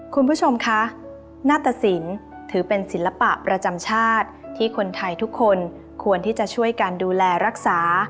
คุณผู้ชมคะหน้าตสินถือเป็นศิลปะประจำชาติที่คนไทยทุกคนควรที่จะช่วยการดูแลรักษา